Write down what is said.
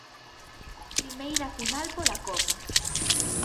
Primeira final pola Copa.